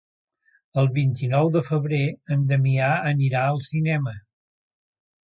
El vint-i-nou de febrer en Damià anirà al cinema.